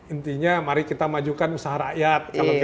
intinya mari kita majukan usaha rakyat